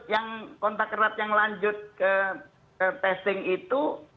yang kontak erat yang lanjut ke testing itu